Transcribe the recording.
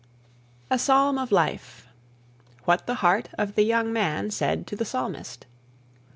A PSALM OF LIFE. WHAT THE HEART OF THE YOUNG MAN SAID TO THE PSALMIST.